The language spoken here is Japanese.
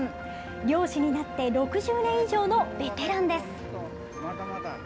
漁師になって６０年以上のベテランです。